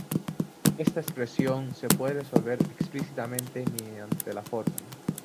Esta expresión se puede resolver explícitamente mediante la fórmula